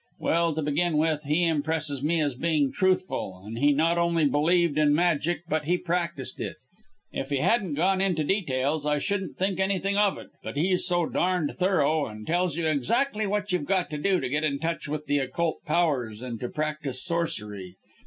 Well! to begin with, he impresses me as being truthful; and he not only believed in Magic but he practised it. If he hadn't gone into details I shouldn't think anything of it, but he's so darned thorough, and tells you exactly what you've got to do to get in touch with the Occult Powers and to practise sorcery.